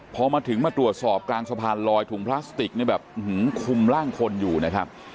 พอมาถึงมาตรวจสอบกลางสะพานลอยถุงพลาสติกนี่แบบคุมร่างคนอยู่นะครับ